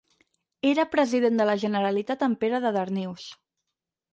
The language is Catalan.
Era President de la Generalitat en Pere de Darnius.